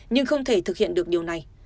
nhưng không thể thực hiện được điều này